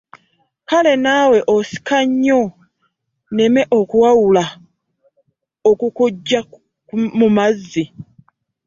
Kale naawe osika nnyo, nneme okukuwalula okukuggya mu mazzi.